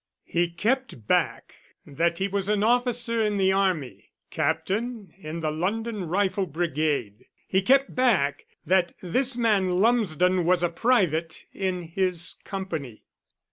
"He kept back that he was an officer in the army Captain in the London Rifle Brigade. He kept back that this man Lumsden was a private in his company."